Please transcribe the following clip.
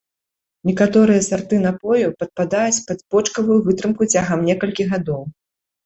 Некаторыя сарты напою падпадаюць пад бочкавую вытрымку цягам некалькіх гадоў.